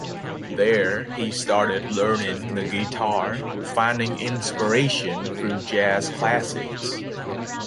There, he started learning the guitar, finding inspiration through jazz classics.